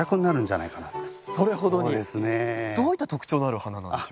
どういった特徴のある花なんでしょうか？